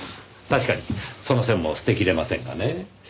確かにその線も捨て切れませんがねぇ。